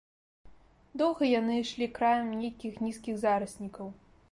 Доўга яны ішлі краем нейкіх нізкіх зараснікаў.